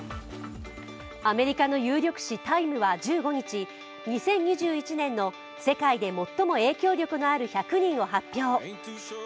アメリカの有力紙「タイム」は１５日２０２１年の世界で最も影響力のある１００人を発表。